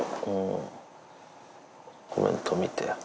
コメント見て。